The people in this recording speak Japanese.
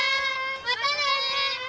またね！